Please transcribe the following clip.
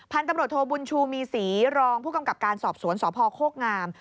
พันธุ์ตำรวจโทบุญชูมีศรีรองผู้กำกับการสอบสวนสพโคกงาม